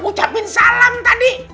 ucapin salam tadi